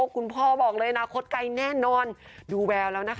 คุณพ่อบอกเลยนะคดไกแล้วแน่นอน